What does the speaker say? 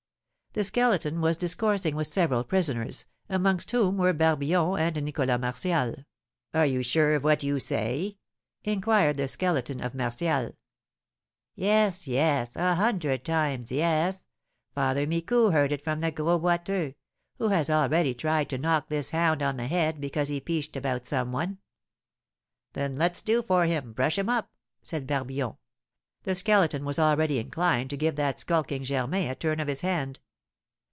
The Skeleton was discoursing with several prisoners, amongst whom were Barbillon and Nicholas Martial. "Are you sure of what you say?" inquired the Skeleton of Martial. "Yes, yes, a hundred times, yes! Father Micou heard it from the Gros Boiteux, who has already tried to knock this hound on the head because he peached about some one." "Then let's do for him, brush him up!" said Barbillon. The Skeleton was already inclined to give that skulking Germain a turn of his hand.